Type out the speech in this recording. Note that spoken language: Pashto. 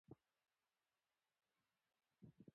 دوی به د انګریزانو په اړه پوښتنه کوي.